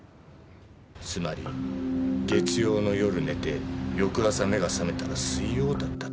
つまり月曜の夜寝て翌朝目が覚めたら水曜だったと。